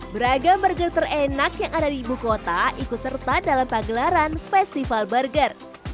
beragam burger terenak yang ada di ibu kota ikut serta dalam pagelaran festival burger